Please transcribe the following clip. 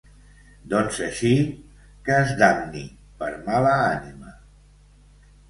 -Doncs, així… que es damni per mala ànima!